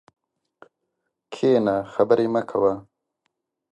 کښېنه خبري مه کوه!